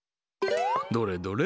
どれどれ？